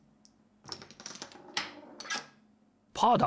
パーだ！